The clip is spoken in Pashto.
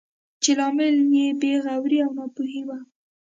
چې لامل یې بې غوري او ناپوهي وه.